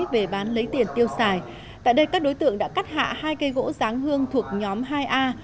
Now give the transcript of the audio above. về bán lấy tiền tiêu xài tại đây các đối tượng đã cắt hạ hai cây gỗ giáng hương thuộc nhóm hai a